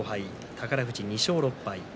宝富士、２勝６敗。